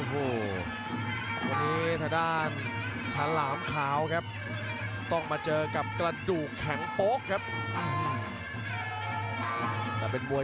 วันนี้ครับฉลามขาวแบบต้องมาเจอกับกะดูกแข็งโป๊กตามหมายถึงว่า